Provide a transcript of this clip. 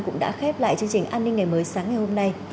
cũng đã khép lại chương trình an ninh ngày mới sáng ngày hôm nay